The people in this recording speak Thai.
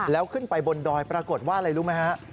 แล้วขึ้นไปบนดอยปรากฏว่าอะไรรู้ไหมฮะ